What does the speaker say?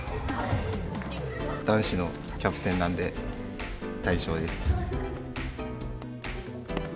男子のキャプテンなんで「大将」です。